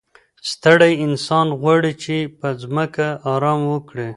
ستړی انسان غواړي چي په ځمکه ارام وکړي.